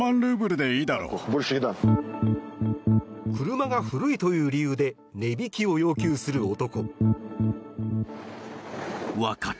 車が古いという理由で値引きを要求する男。